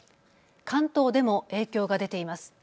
関東でも影響が出ています。